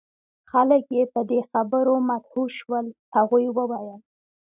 خلک یې په دې خبرو مدهوش شول. هغوی وویل: